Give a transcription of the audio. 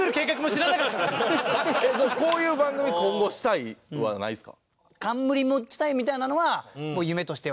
「こういう番組今後したい」はないですか？